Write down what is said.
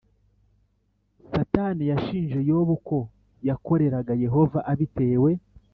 Satani yashinje yobu ko yakoreraga yehova abitewe